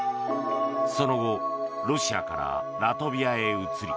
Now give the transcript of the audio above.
その後、ロシアからラトビアへ移り